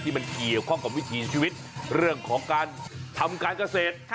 มันเกี่ยวข้องกับวิถีชีวิตเรื่องของการทำการเกษตร